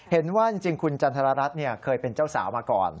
เห็นจริงว่าคุณจรรยะรัฐเนี่ยเคยเป็นเจ้าสาวมาก่อน